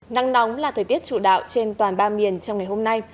nắng nóng là thời tiết chủ đạo trên toàn ba miền trong ngày hôm nay